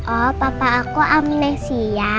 oh bapak aku amnesia